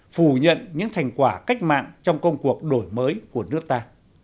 phủ nhận những thành quả cách mạng trong công cuộc đổi mới của nước ta